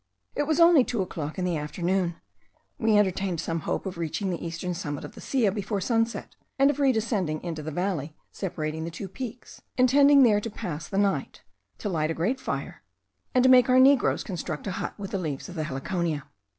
It was only two o'clock in the afternoon; we entertained some hope of reaching the eastern summit of the Silla before sunset, and of re descending into the valley separating the two peaks, intending there to pass the night, to light a great fire, and to make our negroes construct a hut with the leaves of the heliconia.